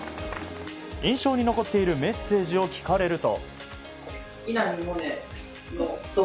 印象に残っているメッセージを聞かれると。